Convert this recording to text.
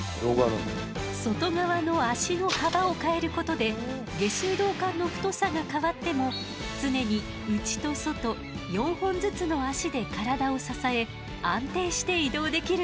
外側の脚の幅を変えることで下水道管の太さが変わっても常に内と外４本ずつの脚で体を支え安定して移動できるの。